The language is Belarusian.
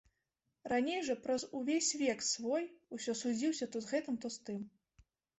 Раней жа праз увесь век свой усё судзіўся то з гэтым, то з тым.